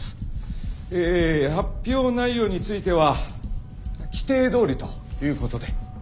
え発表内容については規定どおりということで。